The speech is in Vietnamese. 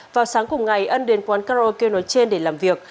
vào sáng cùng ngày ân đến quán karaoke nói trên để làm việc